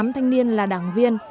hai mươi tám thanh niên là đảng viên